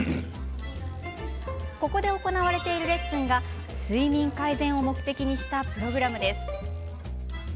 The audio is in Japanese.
ここで行われているレッスンが睡眠改善を目的にしたプログラムです。